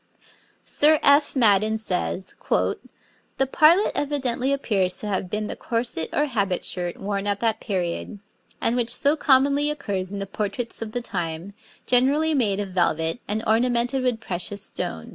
Sir F. Madden says: 'The partlet evidently appears to have been the corset or habit shirt worn at that period, and which so commonly occurs in the portraits of the time, generally made of velvet and ornamented with precious stones.'